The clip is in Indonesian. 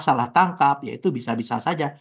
salah tangkap ya itu bisa bisa saja